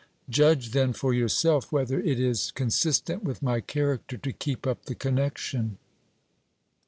Judge, then, for yourself, whether it is consistent with my character to keep up the connection.